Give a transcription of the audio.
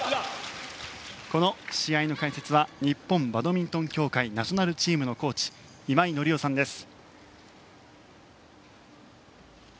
この試合の解説は日本バドミントン協会ナショナルチームのコーチ今井紀夫さんです。